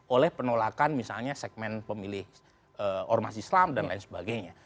oleh penolakan misalnya segmen pemilih ormas islam dan lain sebagainya